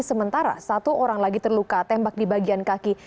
sementara satu orang lagi terluka tembak di bagian kaki